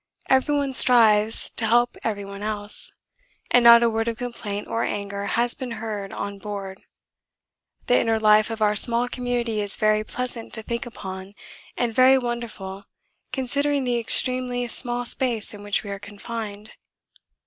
Every one strives to help every one else, and not a word of complaint or anger has been heard on board. The inner life of our small community is very pleasant to think upon and very wonderful considering the extremely small space in which we are confined.